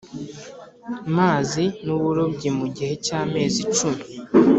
mazi n uburobyi mu gihe cy amezi cumi